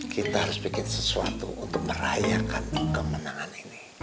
kita harus bikin sesuatu untuk merayakan kemenangan ini